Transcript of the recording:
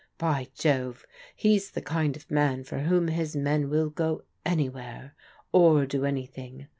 By Jove, he's the kind of man for whom his men will go anywhere, or do anything.